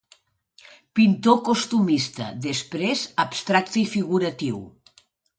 Pintor costumista, després abstracte i figuratiu.